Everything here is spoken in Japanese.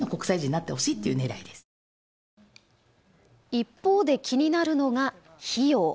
一方で気になるのが費用。